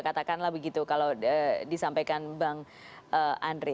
katakanlah begitu kalau disampaikan bang andre